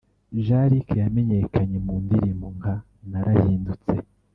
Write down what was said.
Jean Luc yamenyekanye mu ndirimbo nka ‘Narahindutse’